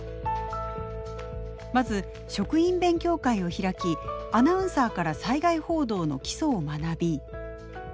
まず職員勉強会を開きアナウンサーから災害報道の基礎を学び。